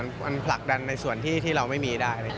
มันผลักดันในส่วนที่เราไม่มีได้